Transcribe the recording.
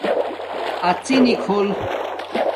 اڎݵ نکھول